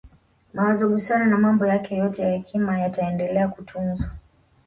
Mawazo busara na mambo yake yote ya hekima yataendele kutunzwa